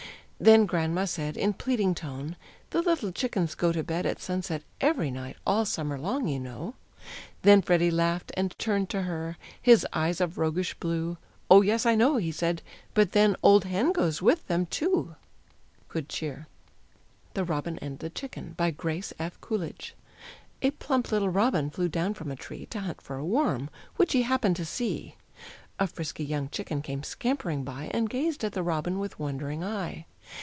Then grandma said, in pleading tone, "The little chickens go To bed at sunset ev'ry night, All summer long, you know." Then Freddie laughed, and turned to her His eyes of roguish blue, "Oh, yes, I know," he said; "but then, Old hen goes with them, too." Good Cheer. THE ROBIN AND THE CHICKEN. BY GRACE F. COOLIDGE. A plump little robin flew down from a tree, To hunt for a worm, which he happened to see; A frisky young chicken came scampering by, And gazed at the robin with wondering eye.